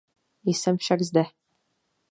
Jsem však zde.